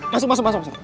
masuk masuk masuk